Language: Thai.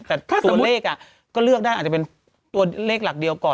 แต่ตัวเลขก็เลือกได้อาจจะเป็นตัวเลขหลักเดียวก่อน